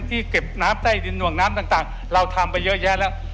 เก็บน้ำใต้ดินหน่วงน้ำต่างเราทำไปเยอะแยะแล้ว